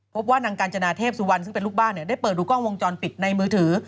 พบว่านางกาญจนาเทพสุวรรณซึ่งเป็นลูกบ้านได้เปิดดูกล้องวงจรปิดในมือถือ